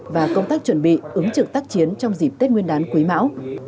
và công tác chuẩn bị ứng trực tác chiến trong dịp tết nguyên đán quý mão